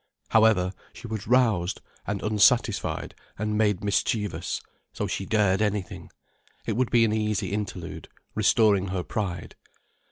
However, she was roused and unsatisfied and made mischievous, so she dared anything. It would be an easy interlude, restoring her pride.